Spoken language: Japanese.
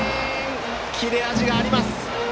切れ味があります！